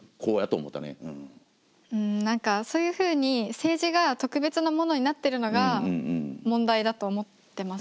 うん何かそういうふうに政治が特別なものになってるのが問題だと思ってます